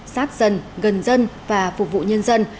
sát dân gần dân và phục vụ nhân dân